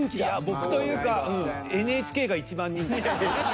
僕というかＮＨＫが一番人気。